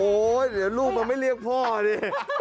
เดี๋ยวลูกมันไม่เรียกพ่อดิ